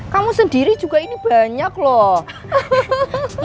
kamu sendiri juga ini banyak loh